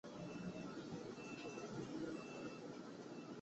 梵本已失。